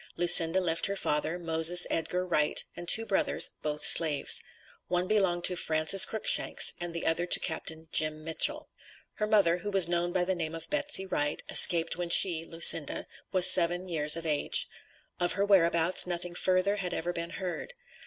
Lucinda left her father, Moses Edgar Wright, and two brothers, both slaves. One belonged to "Francis Crookshanks," and the other to Capt. Jim Mitchell. Her mother, who was known by the name of Betsy Wright, escaped when she (Lucinda) was seven years of age. Of her whereabouts nothing further had ever been heard.